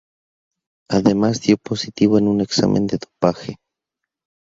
Además dio positivo en un examen de dopaje.